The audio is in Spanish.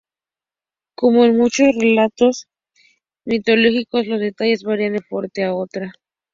Como con muchos relatos mitológicos, los detalles varían de una fuente a otra.